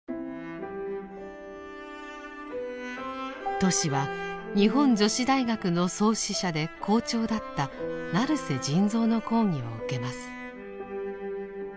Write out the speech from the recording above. トシは日本女子大学の創始者で校長だった成瀬仁蔵の講義を受けます。